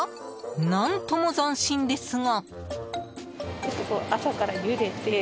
何とも斬新ですが。